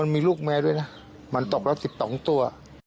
มันตกละสิบสองตัว